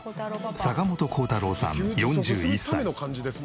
坂本耕太郎さん４１歳。